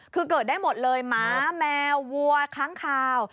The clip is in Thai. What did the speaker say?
คือเกิดได้หมดเลยม้าแมววัวครั้งข่าว